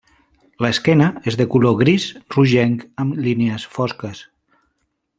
L'esquena és de color gris rogenc amb línies fosques.